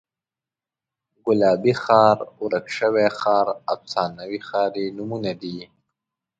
ګلابي ښار، ورک شوی ښار، افسانوي ښار یې نومونه دي.